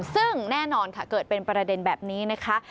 ซึ่งแน่นอนค่ะเกิดเป็นประเด็นแบบนี้นะคะ